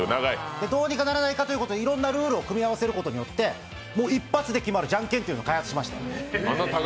どうにかならないかということで、いろんなルールを組み合わせることによって一発で決まるジャンケンを開発しました。